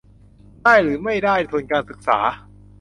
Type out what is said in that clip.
ได้หรือไม่ได้ทุนการศึกษา